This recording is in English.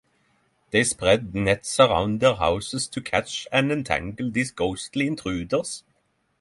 They spread nets about their houses to catch and entangle these ghostly intruders.